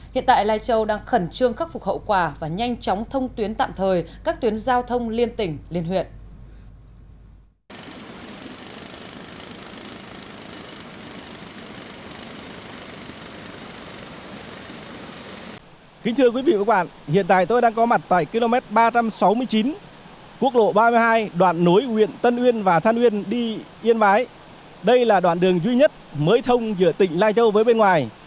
hiện tại lai châu đang khẩn trương khắc phục hậu quả và nhanh chóng thông tuyến tạm thời các tuyến giao thông liên tỉnh liên huyện